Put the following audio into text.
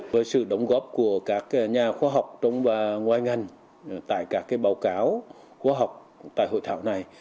với sự đóng góp của các nhà khoa học trong và ngoài ngành tại các báo cáo khoa học tại hội thảo này